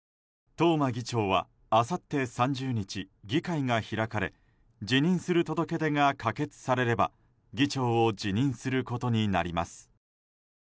東間議長は、あさって３０日議会が開かれ辞任する届け出が可決されれば議長を辞職することになります。